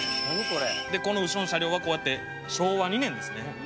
「この後ろの車両はこうやって昭和２年ですね」